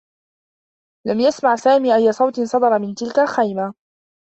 لم يسمع سامي أيّ صوت صدر من تلك الخيمة.